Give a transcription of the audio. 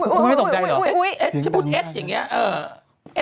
คุณไม่ตกใจเหรอเอ็ดฉันพูดเอ็ดอย่างนี้